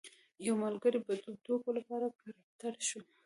یو ملګری به د ټوکو لپاره کرکټر شو.